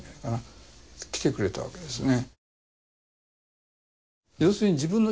来てくれたわけですね。